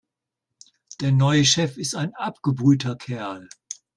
Der neue Chef ist ein abgebrühter Kerl.